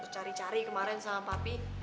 cari cari kemarin sama papi